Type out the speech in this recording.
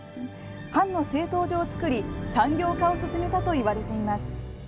藩の製陶所を作り産業化を進めたといわれています。